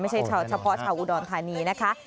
ไม่ใช่เฉพาะชาวอุดรธานีนะคะ